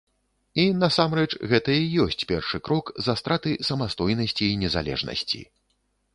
І, насамрэч, гэта і ёсць першы крок за страты самастойнасці і незалежнасці.